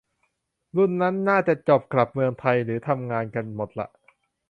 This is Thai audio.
รุ่นนั้นน่าจะจบกลับเมืองไทยหรือทำงานกันหมดละ